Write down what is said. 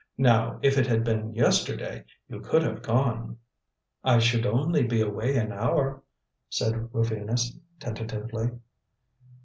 Now, if it had been yesterday you could have gone." "I should only be away an hour," said Rufinus, tentatively.